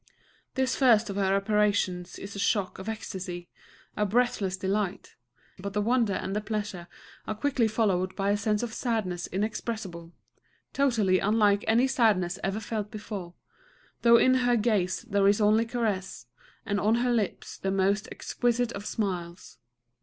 This first of her apparitions is a shock of ecstasy, a breathless delight; but the wonder and the pleasure are quickly followed by a sense of sadness inexpressible, totally unlike any sadness ever felt before, though in her gaze there is only caress, and on her lips the most exquisite of smiles.